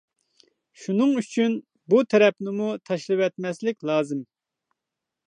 شۇنىڭ ئۈچۈن بۇ تەرەپنىمۇ تاشلىۋەتمەسلىك لازىم.